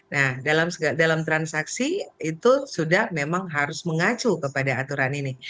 nah dalam transaksi itu sudah memang harus mengacu kepada aturan ini